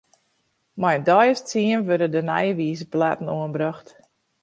Mei in deis as tsien wurde de nije wizerplaten oanbrocht.